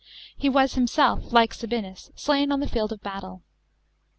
He was hims< It, like Sabinus, >>lain f on the field of battle.